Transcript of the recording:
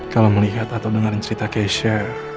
kalau melihat atau dengerin cerita kesia